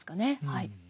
はい。